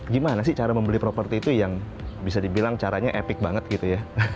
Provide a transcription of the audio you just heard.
gimana sih cara membeli properti itu yang bisa dibilang caranya epic banget gitu ya